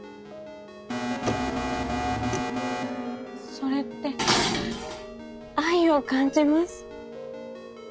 それって愛を感じます。